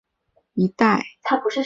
辖境相当今陕西省蓝田县一带。